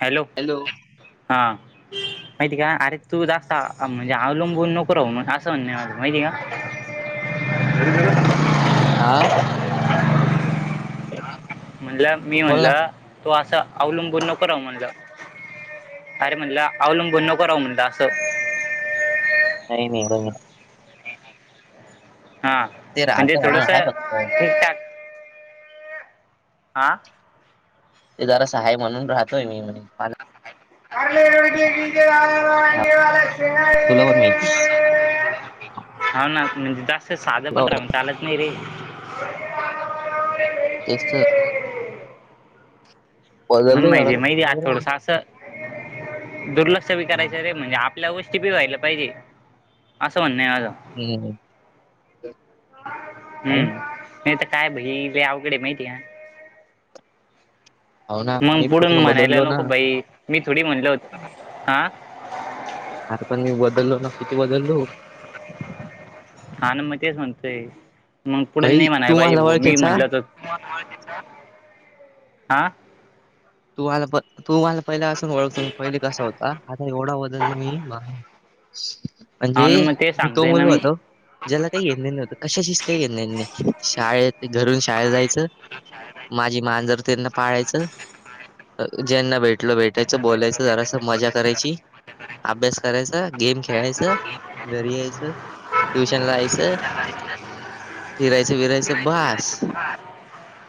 Hello. Hello. हा. माहिती का अरे तू जास्त म्हणजे अवलंबून नको राहू असं म्हणणे माहिती का? आ‌. म्हणलं मी बोल ना म्हणलं तू असं अवलंबून नको राहू म्हणलं. अरे म्हणलं अवलंबून नको राहू म्हणलं असं. नाही नाही [unintelligible] हा ते म्हणजे राहतं म्हणून थोडस आहे फक्त ठीकठाक. आं. ते जरासा हाय म्हणून राहतोय मी म्ह मा कारले [unintelligible] तुला पण माहिती. हा ना म्हणजे जास्त साधं पण राहून चालत नाही रे. तेच त. म्हणून बदललो जरा माहिती माहिती आ थोडस हम्म असं दुर्लक्ष बी करायचं रे म्हणजे आपल्या गोष्टी बी व्हायला पाहिजे, असं म्हणणं आहे माझं. हम्म हम्म, हम्म काय? नाही तर काय बई लई आवघड हाय माहिती. हो ना मग मी पुढून पूर्ण म्हणायला बदललो ना नको बाई मी थोडी म्हणल होत आ. अरे पण मी बदलो ना किती बदलो. हा ना मग तेच म्हणतय. मग पुढे भाई नाही तू म्हणाय मला [unintelligible] मी ओळखायचा म्हटलं तर, आ. तुमला पण तूम्हाला पहिले असून ओळखतो मी पहिले कसा होता. आता एवढा बदल मी म्हणजे हा ना मग ते मी तो सांगतोय मु ना होतो. ज्याला काही लेन देन नवतं कशाशीच काही [unintelligible] शाळेत घरून शाळेेत जायचं. माझी माजर त्यांना पाळायचं. ज्यांना भेटलो भेटायचं बोलायचं जरास मजा करायची. अभ्यास करायचा गेम खेळायच घरी यायचं. ट्युशन लाहायचं फिरायचं विरायचं भास.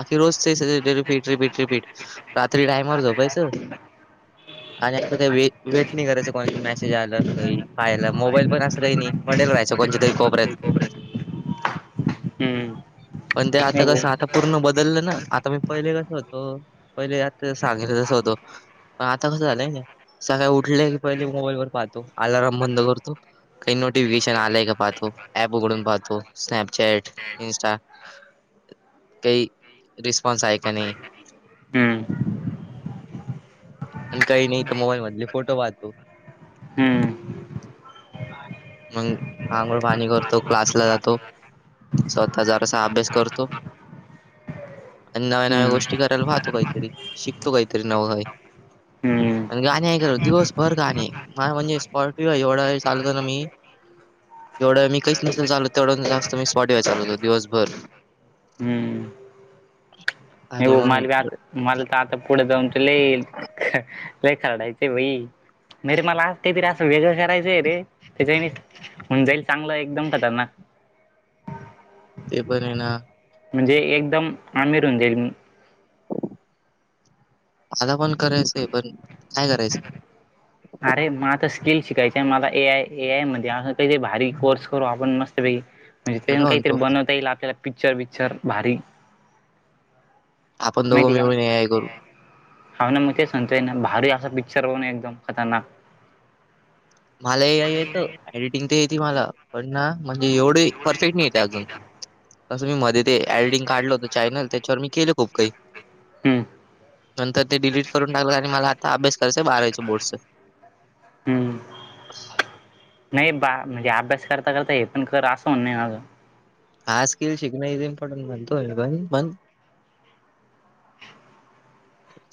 आखी रोज ते रिपीट, रिपीट, रिपीट. रात्री टाइमवर झोपायचं आणि काही वे - वेट नाही करायचं. कोणाचे मेसेज आलं. काही पाहयला. मोबाईल पण असं, काही नाही. पडेल राहायचं. कोणच्या तरी कोपऱ्यात. हम्म पण ते आता कसं. आता पूर्ण बदललं ना. आता मी पहिले कसं, होतो. पहिले, आते सांगितलंस होत पण आता कसं झालंय. सकाळी उठले की, पहिले मोबाईल वर पाहतो. अलाराम बंद करतो. काही नोटिफिकेशन आलंय का? पाहतो. ऍप उघडून पाहतो. स्नॅपचॅट इंस्टा, काही रिस्पॉन्स आहे, का नाही? हम्म. अन् काही नाही, एका मोबाईल मधले फोटो पाहतो. हम्म [inaudible] मंग, आंघोळ पाणी करतो. क्लासला जातो. स्वतः जरासा अभ्यास करतो. अन्, नव्या- नव्या हम्म गोष्टी करायला पाहतो, काहीतरी. शिकतो काहीतरी नवं काही. हम्म आणि गाणे ऐकत राहतो. दिवसभर गाणे. म्हणजे स्पॉटियो एवढा वेळ चालवतो ना, मी. तेवढं वेळ मी काहीच नसत चालवत. तेवढ जास्त मी, स्पॉटिफाय चालवतो, दिवसभर. [inaudible] भो मला बि मग आता, मला तर आता पुढे जाऊन, त लई ख, लई खरडाय ते वई. नाही रे, मला असं काही तरी, असं वेगळं करायचंय रे. त्याच्यानी हुऊन जाईल. चांगलं, एकदम खतरनाक. ते पणये ना म्हणजे एकदम, आमीर होऊन जाईल मी. मला पण करायचंय. पण, काय करायचं. अरे म आता स्किल शिकायचय मला. ए आय, ए आय मध्ये. अस काहीतरी, भारी कोर्स करू आपण, मस्त पैकी. म्हणजे इथ मी येऊन, काय काहीतरी म्हणतो बनवता येईल, आपल्याला. पिक्चर - बिक्चर भारी. आपण दोघं मिळवून, ए आय करू. हा, ना. मग तेच म्हणतोय ना. भारी असा पिक्चर बनवू. एकदम, खतरनाक. मला ए आय येतं. एडिटिंग ते येती मला. पण ना, म्हणजे एवढी परफेक्ट नाही येते अजून. तसं मी मधी ते आयडिंग काढलं होत चॅनल. त्याच्यावर मी केलं खूप काही. हम्म नंतर ते डिलीट करून टाकलं. आणि मला आता अभ्यास करायचा, बारावीचं बोर्डच. हम्म. [unintelligible] नाही बार म्हणजे अभ्यास करता- करता हे पण कर. असं म्हणनय माझं. हा स्किल शिकणं, इज इम्पॉर्टंट म्हणतोय, मी पण. पण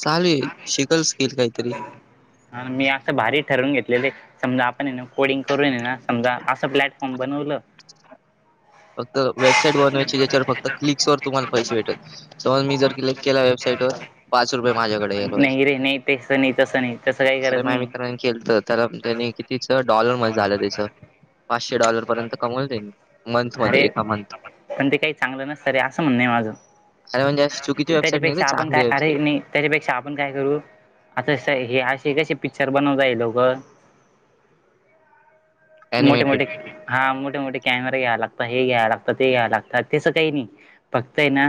चालूय. शिकल स्किल काहीतरी. ह, मी असं भारी ठरवून घेतलेले. समजा, आपण ये ना कोडिंग करून ये ना समजा, असं प्लॅटफॉर्म बनवलं फक्त वेबसाईट बनवायची. ज्याच्यावर फक्त क्लिक्स वर तुम्हाला पैसे भेटेल. समज, मी जर क्लेक् केला, वेबसाईट वर पाच रुपये माझ्याकडे [unintelligible] वायज. नाही रे नाही तसं नाही तसं नाही तसं काही अरे गरज माया नाही. मित्रां केलत, तर त्यानी, कितीच डॉलर मध्ये झालं त्याच. पाचशे डॉलर पर्यंत कमवलं त्यांनी. मंथ मध्ये अरे, एका मंथ पण ते काही चांगलं नसतं रे. असं म्हणणय माझं. अरे म्हणजे अशी [unintelligible] चुकीची वेबसाईट निघाली त्याच्यापेक्षा, आपण चांगली काय वेबसाईट करायचं नाही. त्याच्यापेक्षा आपण काय करू? आता स हे असे कसे? पिक्चर बनवता ये लोकं मोठे- अॅनिमेटेड मोठे, हा मोठे- मोठे कॅमेरे घ्यायला लागत. हे घ्यायला लागत. ते घ्याय लागतात. तसं काही नाही. फक्तय ना.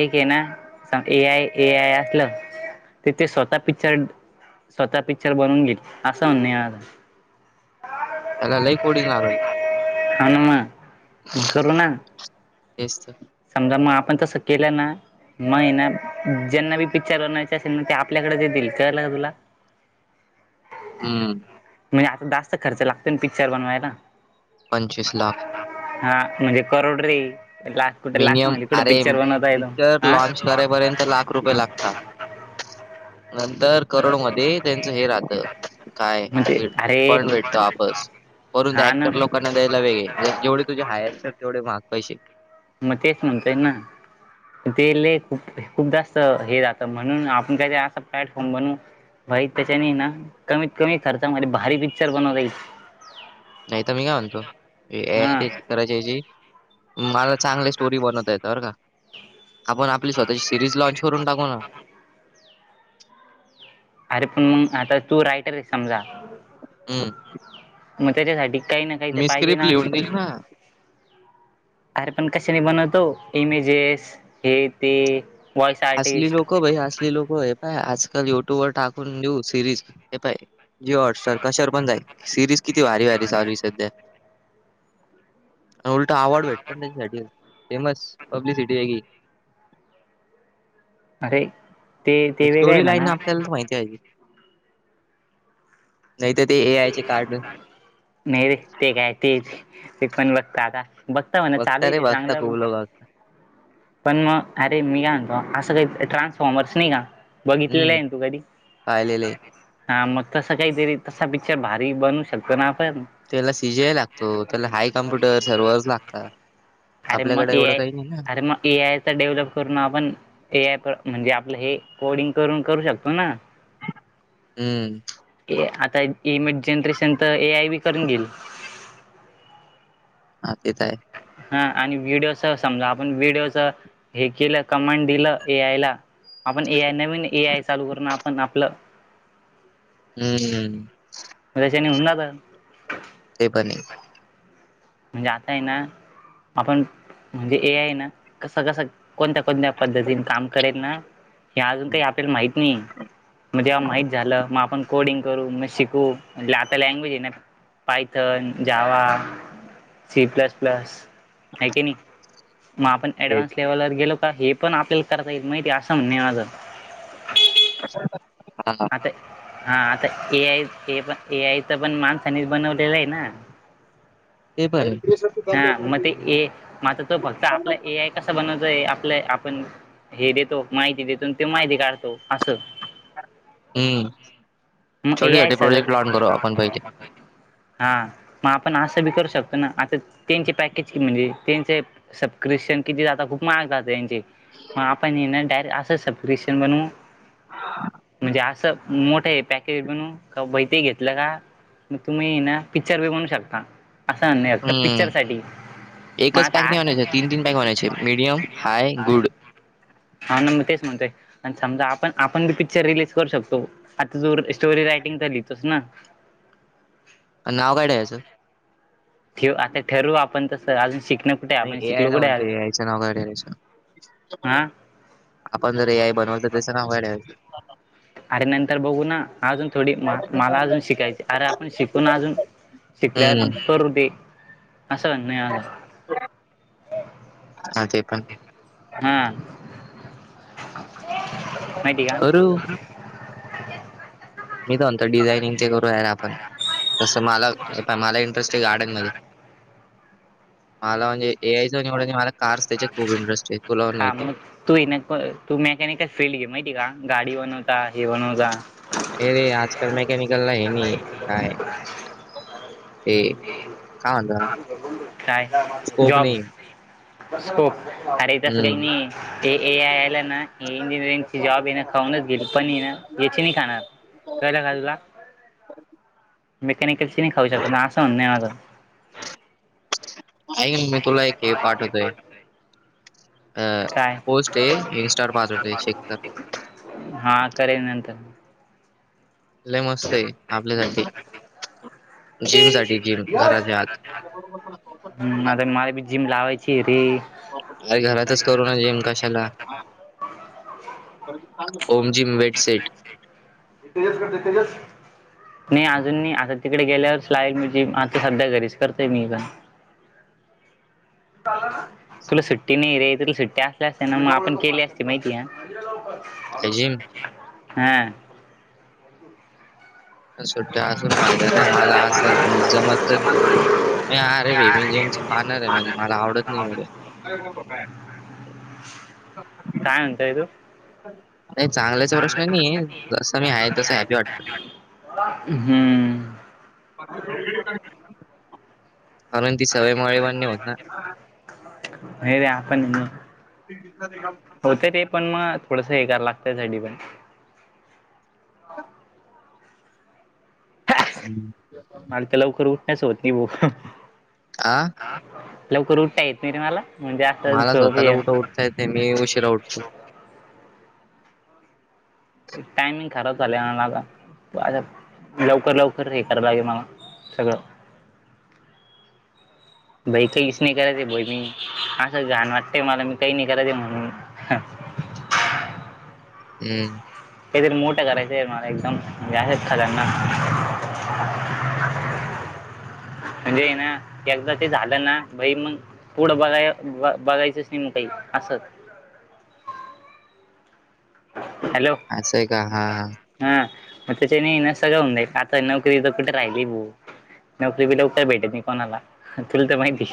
एकय ना. ए आय, ए आय असलं ते ते स्वतः पिक्चर स्वतः पिक्चर बनवून घेइल असं म्हण ये माझं त्याला लई कोडिंग लागल हां ना म. मग करू ना, तेच तर समजा मग आपण तसं केलं ना‌ मग ये ना ज्यांना बी पिक्चर बनवायचं असेल ना ते आपल्याकडंच येतील कळलं का तुला. हम् म्हणजे आता जास्त खर्च लागते ना पिक्चर बनवायला. पंचवीस लाख हा म्हणजे करोड रे! कुठे लाख मिनिमम म्हणले कुठे अरे, पिक्चर बनवत आहे तो पिक्चर हा लॉनच करायपर्यंत लाख रुपये लागतात. नंतर करोडो मध्ये त्यांचं हे राहत काय म्हणजे हे अरे फंड भेटतो वापस वरून त्या हा ना अँक्टर लोकांना द्यायला वेगळे जर जेवढे तुझे हायर असेल तेवढे महाग पैसे मग तेच म्हणतोय ना ते लई खूप खूप जास्त हे जातं म्हणून आपण काय असं प्लॅटफॉर्म बनू भाई त्याच्याने ना कमीत कमी खर्चमध्ये भारी पिक्चर बनवता येईल. नाही तर मी काय म्हणतो हे ए आय हा टेस्ट करायच्या ऐवजी मला चांगली स्टोरी बनवता येतात. तर का हम् आपण आपली स्वतःची सिरीज लॉंन्च करून टाकू ना अरे पण मग आता तू राईटर आहे समजा हं. मग त्याच्यासाठी काही ना काही तर मी पाहिजे स्क्रिप्ट ना. लिहून देईल ना. अरे पण कशाने बनवतो, इमेजेस हे ते. व्हॉइस असली आर्टिस्ट लोकं भाई असली लोकं हे पाय आजकाल युट्यूबवर टाकून देेऊ सिरीज हे पाय. जीओ हॉटस्टार कशावर पण जाईल सिरीज किती भारी भारी चालूये सध्या. आणि उलटा अवॉर्ड भेटत ना त्याच्यासाठी फेमस पब्लिसिटी वेगळी. अरे ते आणि ते वेगळं आहे स्टोरी म्हणा. लाईन आपल्यालाच माहिती पाहिजे. नाही तर ते ए आयचे कार्ड. नाही रे ते काय ते ते कोण बघतं आता. बघता म्हणा चालूये रे तेे बघता चांगलं खूप पण. लोकं बघता. पण मग अरे मी काय म्हणतो असं काही ट्रान्सफॉर्मर्स नाही का? बघितलेलं हं. आहे ना तू कधी. पाहिलेलं आहे. हा मग तसं काहीतरी तसा पिक्चर भारी बनवू शकतो ना आपण. त्याला सीजीआय लागतो त्याला हाय कम्प्युटर सर्व्हर्स लागतात. अरे म आपल्याकडे ए एवढं आय, काही नाही ना. अर म ए आय. डेव्हलप करून आपण ए आय म्हणजे आपलं हे कोडिंग करून करू शकतो ना? हम्म. आता इमेज जनरेशन तर ए आय बी करून घील. हा तेे तर आहे. हा आणि व्हिडिओचं समजा आपण व्हिडिओचं हे केलं कमांड दिलं ए आयला. आपण ए आय नवीन ए आय चालू करू ना आपण आपलं. हम्म्म. तशानी होऊन जातं. ते पण आहे. म्हणजे आता आहे ना आपण म्हणजे ए आय आहे ना कसं कसं. कोणत्या कोणत्या पद्धतीनं काम करेल ना हे अजून हम्म, काही आपल्याला माहीत नाहीये. मग जेव्हा माहीत झालं मग आपण कोडिंग करू मग शिकू. म्हणलं आता लँग्वेज आहे नां पायथंन जावां सी प्लसं प्लसं आहे की नाहीं मंग आपणं ते ऍडव्हान्स लेव्हलवरं गेलो कां हे पणं आपल्यांला करतां येईल माहितीये असं म्हणणं आहे माझं कश्यांला पाहि आंता हां आंता ए आय पणं ए आय तरं पणं माणसानेचं बनवलेलं आहे नां ते पण हां मंग ते आहे. ए मंग आंता तो फक्तं आपलां ए आय कसां बनवाचंय आहे आपलं आपणं हे देतो माहिती देतो आणि तो माहिती काढतो असं हम्मं मंग ए आय सगळं आपण पहिले. हां मंग आपणं असं बी करूं शकतो नां आंता त्यांचे पॅकेज म्हणजे त्यांचे सबस्क्रिप्शन किती आंता खूंप माहांग जातं मंग आपणं ये नां डायरेक्ट असं सबस्क्रिप्शन बनवूं म्हणजे असं मोठेये पॅक हिती घेतलं का मंग तुम्हीये नां पिक्चर बी बनवूं शकतां असं नाहीं फक्तं पिक्चर हम्म सांठी मंग एकच आंता पॅक नाही असं बनवायचे तीन तीन पॅक बनवायचे कायं मीडियम, हाय, पिडीयफ आहे गुड. हां नां मंग तेचं म्हणतंय आणि समजां आपणं आपणं बी पिक्चर रिलीज करूं शकतो आंता जो स्टोरी रायटिंग झालीं तसं नां पणं अवघंड आहे असं ठेव आंता ठरूं आपणं तसं अजूंन शिकणं कुठे नाहीं आपण ए आय शिकलो ला कुठे म्हणतो अजून ए आयचं नावग ए आयचं हा आपणं जरं एक आय बनवलं तरं तेचं तरं लंय अवघडं आहे अरे नंतर बघूं नां अजूंन थोडी मला अजूंन शिकायची अरे आपणं शिकूंन अजूंन शिकल्यांवरं हम्म करूं ते असं म्हंणन आहे माझं हां ते कणं हम्मं हळू मीत म्हणंतो डिझायनिंग ते करूंया नां आपणं जसं मलां पणं मलां इंटरेस्ट आहे गार्डन मध्यें मलां म्हणजे ए आयचं निवडूंन मलां कार्स त्यांच्यात खूंप इंडस्ट्री आहे तुलां पणं हा माहिती मग आहे तू ये तू मेकॅनिकल फील्ड घे माहिती आहे कां गांडी बनवतां हे बनवतां हे रे आंजकांल मेकॅनिकलला हे नाहीं कायं ते कायं म्हंनतां त्यांला काय स्कोप जॉब नाहीं आहे स्कोप अरे तसं कांहीं मी ते ए आय आयलां नां इंजिनिअरिंग ची जॉब येणं खाऊंनच गेली पणं ये यांची नाहीं खाणांर कळलं कां तुलां ह [unintelligible] मेकॅनिकल ची नाही खाऊं शकतातं नां असं म्हंणन आहे माझं आईन मी तुलां एक हे पाठवतोय अ काय पोस्ट आहे इनस्टां वरं पादरदेची चेक करं हां करूंयां नंतर लय म मस्त आहे आपल्यासाठी जिम साठी जिम म घराच्या आत [unintelligible] हम्मं आंता माला बी जिम लावायची रे अरे घरां तचं करुं नां जीम कशांला ओम ची मिमिटं सेेट दि तेजसकडे तेजस नाही अजून नाही, आता तिकडे गेल्यावरच लागल [unintelligible] म्हजे आता सध्या घरीच करतोय मी पण. रीकाम आहे [unintelligible] तुला सुट्टी नाही रे, तुला सुट्टी असल्या असते ना मग आपण केली असती माहिती ह. काय जिम हम्म [unintelligible] सुट्ट्या असून फायदा नाही, मला असं जमत- मी आ रे भी [unintelligible] म्युझियम पाहणार आहे म्हणजे मला आवडत नाही अरे. [unintelligible] काय मनतय तू? नाही चांगल्याचा प्रश्न नाहीये, जस मी आहे तस हॅपी वाटत. हम्म. अन ती सवय मवा नाही होत ना [unintelligible] हे रे आपण- तेिा पा होत [unintelligible] ते पण मग थोडं हे करायला लागतय [unintelligible] अ [unintelligible] [inaudible] हम्म [unintelligible] आला तर लवकर उठण्याचं होत नाही ब [unintelligible] आ.. लवकर उठता येत नाही रे मला, म्हणजे आता झोप- [unintelligible] आहे मी उशिरा उठतो. टायमिंग खराब झालेन आता [unintelligible] लवकर लवकर हे करा लागे [unintelligible] मला सगळं. भाई काहीच नाही करायचं बई मी असं जाण वाटतंय मला मी काही नाही करायच म्हणून [unintelligible] हम्म. काहीतरी मोठं करायचं आहे मला एकदम, म्हणजे असच खजना. म्हणजे ना एकदा ते झालं ना, भाई मग- पुढं बघाय बघायचंच नाही मग, काही असं. हॅलो? असं आहे का? हा. हा मग त्याच्याने इस्टगऊ [unintelligible] जाई आता नोकरी तोक राहिली भऊ नोकरी बी लवकर भेटेत नाही, कोणाला तुला तर माहिती.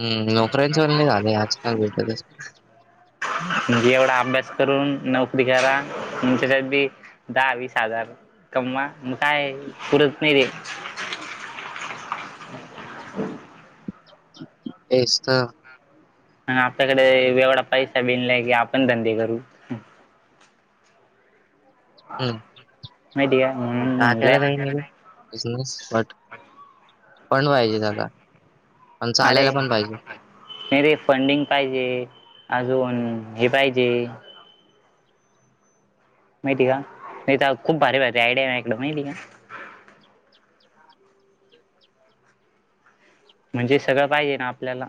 हम्म.. नोकऱ्यांच पण लय झालंय आजकाल भेटतच नाही. म्हणजे एवढा अभ्यास करून नोकरी करा, त्याच्यात बी दहा, वीस हजार- कमवा, मग काय पुरत नाही ते. एसत [unintelligible] हम [unintelligible] [inaudible] मग आपल्याकडे एवढा पैसा बिनलाय की आपण धंदे करू. माहिती का हम् म्हणून म्हणलंय टाकायला काही नाही बिझनेस बट [unintelligible] पण पाहिजे त्याला, अन अरे चालायला पण पाहिजे. नाही रे फंडिंग पाहिजे, अजून हे पाहिजे. माहितीय का, नाही खूप भारी, भारी आयडिया आहे माझ्याकडे माहिती का? म्हणजे सगळं पाहिजे ना आपल्याला.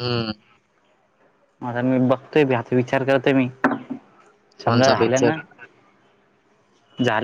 हम. मझ मी बघतोयी हचा विचार करतोय मी, समजा कोणचा झाल पिक्चर ना- झाल-